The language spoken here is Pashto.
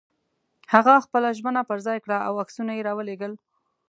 هغه خپله ژمنه پر ځای کړه او عکسونه یې را ولېږل.